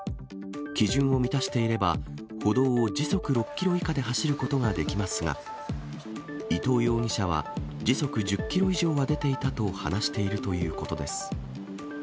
基準を満たしていれば、歩道を時速６キロ以下で走ることができますが、伊藤容疑者は時速１０キロ以上は出ていたと話しているということです。